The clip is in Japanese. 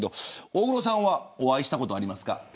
大黒さんはお会いしたことありますか。